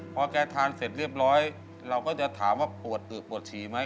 พอแกทานเสร็จเรียบร้อยเราก็จะถามว่าปวดตึกปวดฉี่ไหม